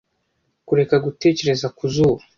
kureka gutekereza ku zuba